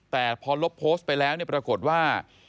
แต่พอลบโพสต์ไปแล้วปรากฏว่า